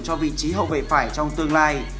cho vị trí hậu vệ phải trong tương lai